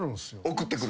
送ってくる。